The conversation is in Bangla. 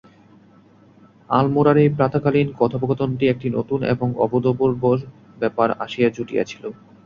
আলমোড়ার এই প্রাতঃকালীন কথোপকথনগুলিতে একটি নূতন এবং অনুভূতপূর্ব ব্যাপার আসিয়া জুটিয়াছিল।